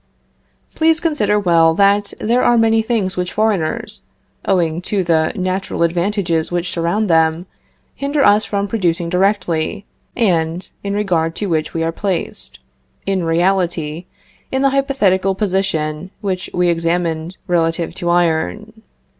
Please consider well that there are many things which foreigners, owing to the natural advantages which surround them, hinder us from producing directly, and in regard to which we are placed, in reality, in the hypothetical position which we examined relative to iron.